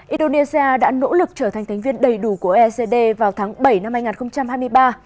indonesia đã nỗ lực trở thành thành viên đầy đủ của ecd vào tháng bảy năm hai nghìn hai mươi ba